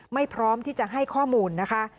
พร้อมที่จะให้ข้อมูลนะคะ